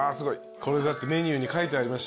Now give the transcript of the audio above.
これだってメニューに書いてありましたよね。